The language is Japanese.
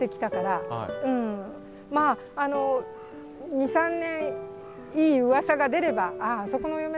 ２３年いいうわさが出れば「あああそこのお嫁さん